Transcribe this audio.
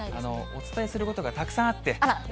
お伝えすることがたくさんあって。